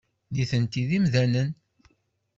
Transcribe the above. Nitenti d imdanen.